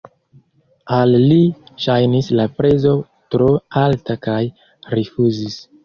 Al li ŝajnis la prezo tro alta kaj rifuzis.